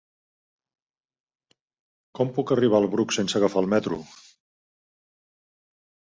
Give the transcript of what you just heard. Com puc arribar al Bruc sense agafar el metro?